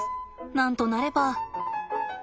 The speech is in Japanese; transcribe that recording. なんとなれば。